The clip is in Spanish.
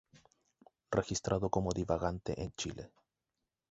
Registrado como divagante en Chile.